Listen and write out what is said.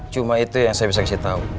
cuma itu yang saya bisa kasih tahu